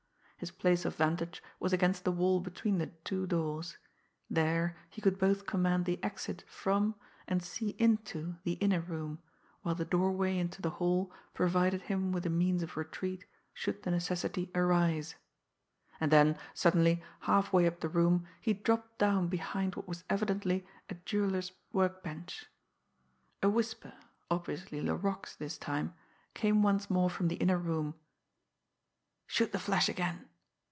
His place of vantage was against the wall between the two doors there, he could both command the exit from, and see into, the inner room, while the doorway into the hall provided him with a means of retreat should the necessity arise. And then, suddenly, halfway up the room, he dropped down behind what was evidently a jeweller's workbench. A whisper, obviously Laroque's this time, came once more from the inner room. "Shoot the flash again!"